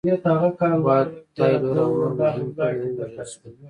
واټ تایلور او نور مهم غړي ووژل شول.